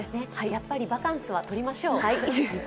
やっぱりバカンスはとりましょう。